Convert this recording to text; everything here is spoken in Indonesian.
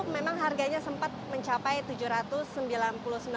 memang harganya sempat mencapai rp tujuh ratus sembilan puluh sembilan